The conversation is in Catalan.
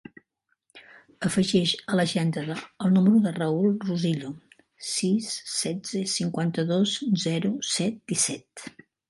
Afegeix a l'agenda el número del Raül Rosillo: sis, setze, cinquanta-dos, zero, set, disset.